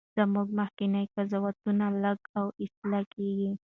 زموږ مخکني قضاوتونه لږ او اصلاح کیږي.